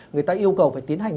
người ta yêu cầu phải tiến hành